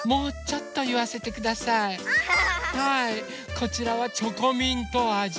こちらはチョコミントあじ。